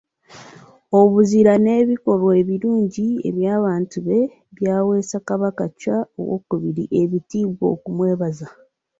Obuzira n'ebikolwa ebirungi eby'abantu be, byaweesa Kabaka Chwa II ebitiibwa okumwebaza.